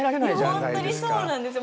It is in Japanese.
いや本当にそうなんですよ。